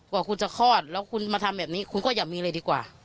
กว่าคุณจะคลอดแล้วคุณมาทำแบบนี้คุณก็อย่ามีเลยดีกว่า